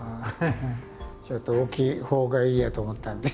ちょっと大きいほうがいいやと思ったんで。